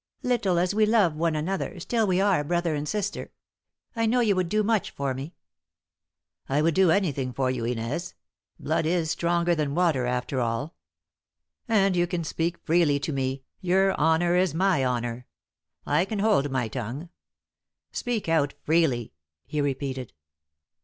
Little as we love one another, still we are brother and sister. I know you would do much for me." "I would do anything for you, Inez; blood is stronger than water, after all. And you can speak freely to me, your honour is my honour. I can hold my tongue. Speak out freely," he repeated.